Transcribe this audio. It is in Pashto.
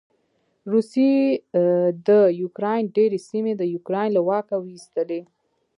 روسې د يوکراین ډېرې سېمې د یوکراين له واکه واېستلې.